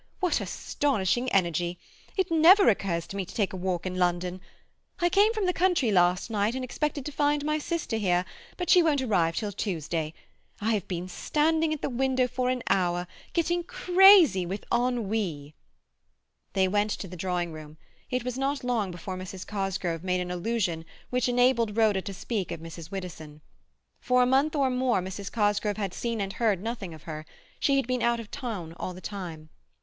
What astonishing energy! It never occurs to me to take a walk in London. I came from the country last night and expected to find my sister here, but she won't arrive till Tuesday. I have been standing at the window for an hour, getting crazy with ennui." They went to the drawing room. It was not long before Mrs. Cosgrove made an allusion which enabled Rhoda to speak of Mrs. Widdowson. For a month or more Mrs. Cosgrove had seen and heard nothing of her; she had been out of town all the time.